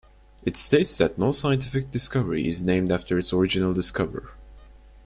It states that no scientific discovery is named after its original discoverer.